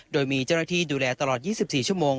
โดยมีเจ้าหน้าที่ดูแลตลอด๒๔ชั่วโมง